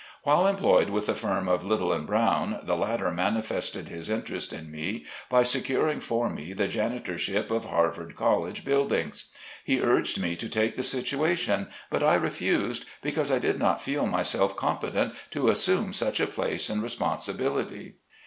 While employed with the firm of Little & Brown, the latter manifested his interest in me by securing for me the janitorship of Harvard College buildings. He urged me to take the situation, but I refused, because I did not feel myself competent to assume such a place and responsibility.